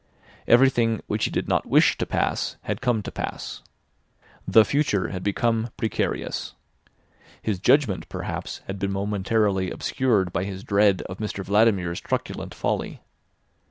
Everything which he did not wish to pass had come to pass. The future had become precarious. His judgment, perhaps, had been momentarily obscured by his dread of Mr Vladimir's truculent folly.